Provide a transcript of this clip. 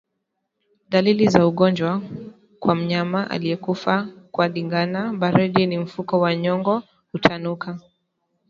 Dalili za ugonjwa kwa mnyama aliyekufa kwa ndigana baridi ni mfuko wa nyongo hutanuka